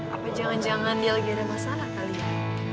apa jangan jangan dia lagi ada masalah kali ya